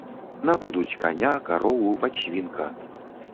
Набудуць каня, карову, падсвінка.